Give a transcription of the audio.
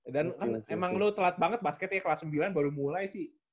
dan emang lu telat banget basketnya kelas sembilan baru mulai sih